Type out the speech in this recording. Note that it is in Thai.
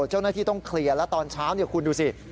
เจ้าหน้าที่ต้องเคลียร์แล้วตอนเช้าคุณดูสิ